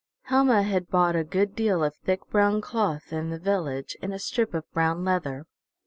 Helma had bought a good deal of thick brown cloth in the village and a strip of brown leather.